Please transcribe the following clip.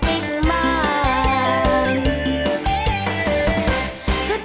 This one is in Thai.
ขอบคุณครับ